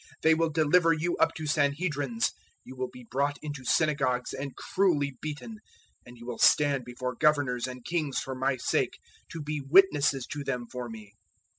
They will deliver you up to Sanhedrins; you will be brought into synagogues and cruelly beaten; and you will stand before governors and kings for my sake, to be witnesses to them for me.